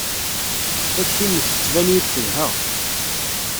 Takti-nnek tettban-iyi-d telha.